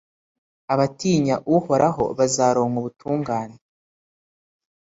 abatinya uhoraho bazaronka ubutungane